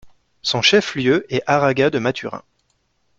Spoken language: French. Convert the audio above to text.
Son chef-lieu est Aragua de Maturín.